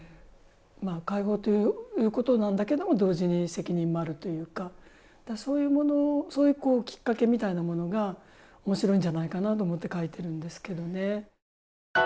解放ということなんだけども同時に責任もあるというかそういうきっかけみたいなものがおもしろいんじゃないかなと思って書いてるんですけどね。